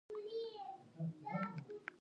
هغه ویل داسې خلک مې په کې ولیدل.